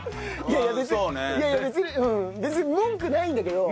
いやいや別に別に文句ないんだけど。